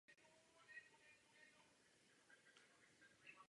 Hraní se chtěl věnovat už od dětství.